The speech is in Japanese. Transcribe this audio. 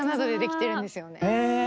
へえ。